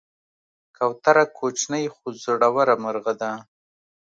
کوتره کوچنۍ خو زړوره مرغه ده.